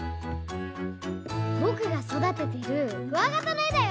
ぼくがそだててるクワガタのえだよ！